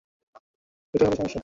এটাই হলো সমস্যা।